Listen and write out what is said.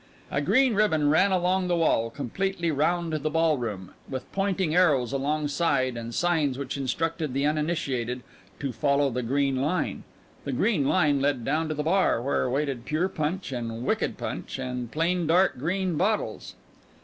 A green ribbon ran along the wall completely round the ballroom, with pointing arrows alongside and signs which instructed the uninitiated to "Follow the green line!" The green line led down to the bar, where waited pure punch and wicked punch and plain dark green bottles.